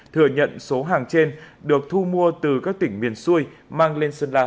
thừa nhận số hàng trên được thu mua từ các tỉnh miền xuôi mang lên sơn la để bán kiếm lời